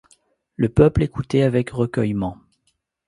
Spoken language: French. Le peuple écoutait avec recueillement.